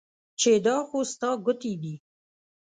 چې دا خو ستا ګوتې دي